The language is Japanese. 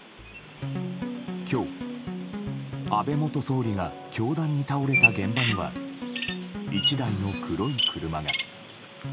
今日、安倍元総理が凶弾に倒れた現場には１台の黒い車が。